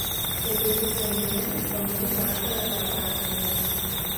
Што тычыцца мяне, то мне цяжка дакладна адказаць.